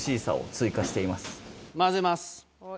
混ぜます。